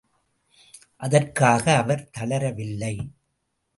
அதற்காக அவர் தளரவில்லை.